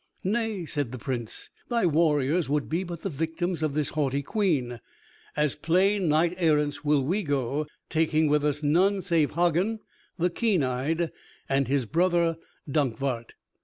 "Nay," said the Prince, "thy warriors would but be the victims of this haughty Queen. As plain knight errants will we go, taking with us none, save Hagen the keen eyed and his brother Dankwart."